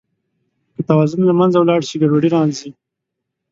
که توازن له منځه ولاړ شي، ګډوډي راځي.